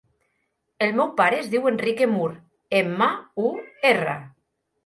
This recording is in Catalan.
El meu pare es diu Enrique Mur: ema, u, erra.